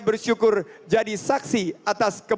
bersyukur jadi saksi atau sukses